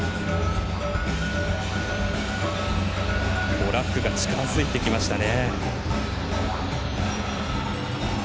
トラックが近づいてきましたね。